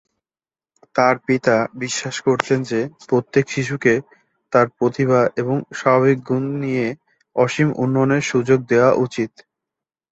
তাঁর পিতা বিশ্বাস করতেন যে, প্রত্যেক শিশুকে তার প্রতিভা এবং স্বাভাবিক গুণ নিয়ে অসীম উন্নয়নের সুযোগ দেওয়া উচিত।